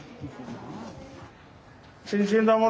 新鮮だもの